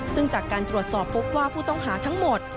ซึ่งจากการตรวจสอบพบว่าผู้ต้องหาทั้งหมด